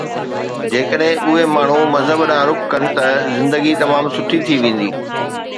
جيڪڏهن اهي ماڻهو مذهب ڏانهن رخ ڪن ته زندگي تمام سٺي ٿي ويندي